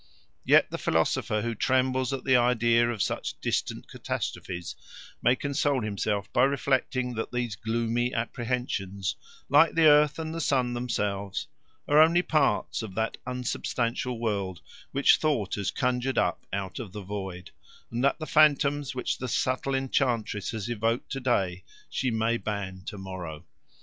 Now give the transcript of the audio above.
Yet the philosopher who trembles at the idea of such distant catastrophes may console himself by reflecting that these gloomy apprehensions, like the earth and the sun themselves, are only parts of that unsubstantial world which thought has conjured up out of the void, and that the phantoms which the subtle enchantress has evoked to day she may ban to morrow.